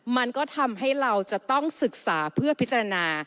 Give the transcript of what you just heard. มันก็ทำให้เราจะต้องศึกษาเพื่อพิจารณา